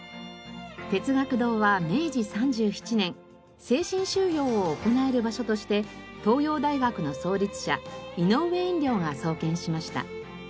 哲学堂は明治３７年精神修養を行える場所として東洋大学の創立者井上円了が創建しました。